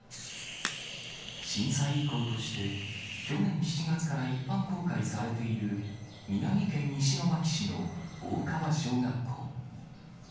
震災遺構として、去年７月から一般公開されている、宮城県石巻市の大川小学校。